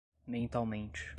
mentalmente